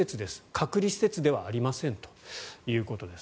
隔離施設ではありませんということです。